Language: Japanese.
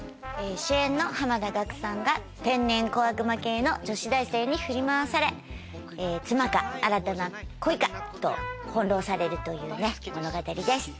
主演の濱田岳さんが天然小悪魔系の女子大生に振り回され妻か新たな恋かと翻弄されるというね物語です。